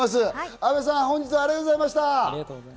阿部さん、本日はありがとうございました。